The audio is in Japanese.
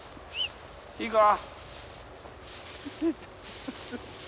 いいか？